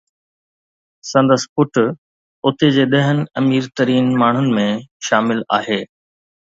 سندس پٽ اتي جي ڏهن امير ترين ماڻهن ۾ شامل آهي.